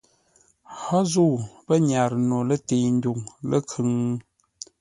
Hó zə̂u pə́ nyarə no lətəi-ndwuŋ ləkhʉŋ?